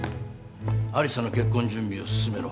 有沙の結婚準備を進めろ。